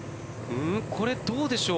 これどうでしょう？